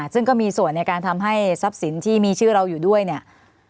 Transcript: ซึ่งก็มีส่วนในการทำให้ทรัพย์สินที่มีชื่อเราอยู่ด้วยเนี่ย